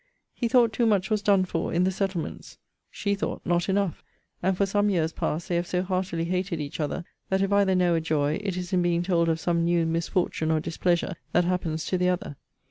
He thought too much was done for in the settlements. She thought not enough. And for some years past, they have so heartily hated each other, that if either know a joy, it is in being told of some new misfortune or displeasure that happens to the other.